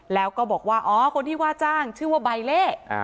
แล้วก็บอกว่าอ๋อคนที่ว่าจ้างชื่อว่าใบเล่